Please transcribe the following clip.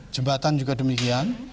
jembatan juga demikian